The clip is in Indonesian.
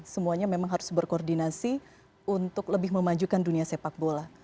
semuanya memang harus berkoordinasi untuk lebih memajukan dunia sepak bola